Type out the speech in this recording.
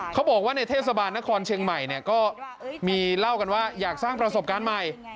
เขาบอกว่าในเทศบาลนครเชียงใหม่เนี่ยก็มีเล่ากันว่าอยากสร้างประสบการณ์ใหม่